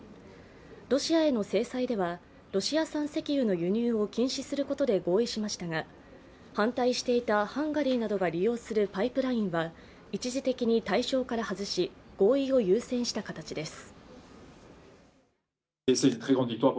ロシアへの制裁では、ロシア産石油の輸入を禁止することで合意しましたが、反対していたハンガリーなどが利用するパイプラインが一時的に対象から外し合意を優先した形です。